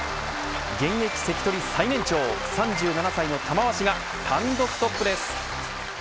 現役関取最年長、３７歳の玉鷲が単独トップです。